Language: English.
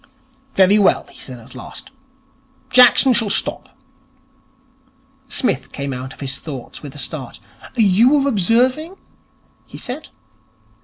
'Very well,' said he at last. 'Jackson shall stop.' Psmith came out of his thoughts with a start. 'You were observing ?' he said.